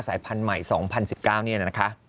สายพันธุ์ใหม่๒๐๑๙นี่นะคะ